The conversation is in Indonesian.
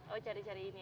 oh cari cari ini ya